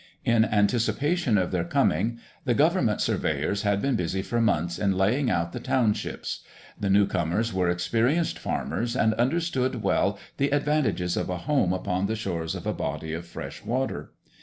In anticipation of their coming, the government surveyors had been busy for months in laying out the townships. The newcomers were experienced farmers, and understood well the advantages of a home upon the shores of a body of fresh water.